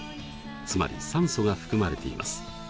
つまり酸素が含まれています。